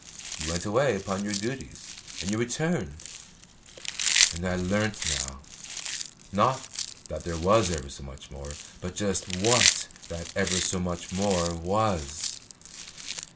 You went away upon your duties and you returned; and I learnt now, not that there was ever so much more, but just what that ever so much more was.